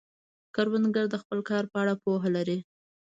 کروندګر د خپل کار په اړه پوهه لري